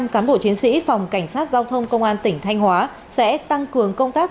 một trăm linh cán bộ chiến sĩ phòng cảnh sát giao thông công an tỉnh thanh hóa sẽ tăng cường công tác